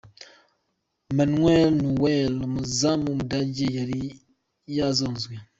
Mauel Neuer umuzamu w'Ubudage yari yazonzwe .